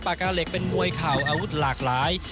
ปากกาเหล็กเป็นมวยเข่าอาวุธหลากหลาย